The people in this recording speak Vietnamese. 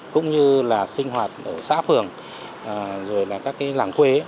cũng như là sinh hoạt ở xã phường rồi là các cái làng quê